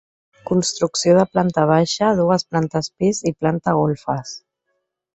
Construcció de planta baixa, dues plantes pis i planta golfes.